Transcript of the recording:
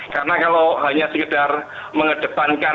karena kalau hanya sekedar mengedepankan